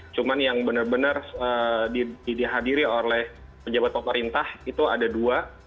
cuma yang benar benar dihadiri oleh pejabat pemerintah itu ada dua